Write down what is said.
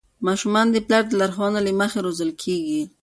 ماشومان د پلار د لارښوونو له مخې روزل کېږي.